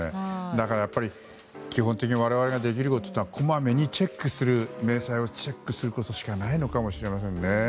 だから、やっぱり基本的に我々ができることはこまめに明細をチェックすることしかないのかもしれませんね。